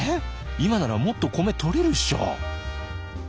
今ならもっと米とれるっしょ？